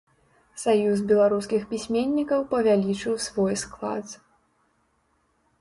Саюз беларускіх пісьменнікаў павялічыў свой склад.